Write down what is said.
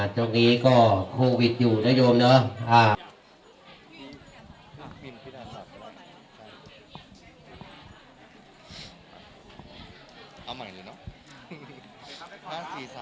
ช่วงนี้ก็โควิดอยู่นะโยมเนอะ